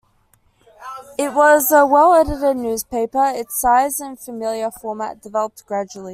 It was a well-edited newspaper, its size and familiar format developed gradually.